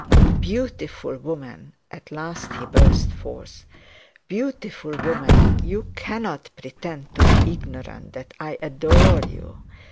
'Beautiful woman,' at last he burst forth, 'beautiful woman, you cannot pretend to be ignorant that I adore you.